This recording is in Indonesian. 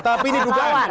tapi ini dugaan